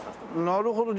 なるほど。